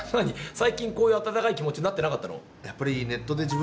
最近こういう温かい気持ちになってなかったの？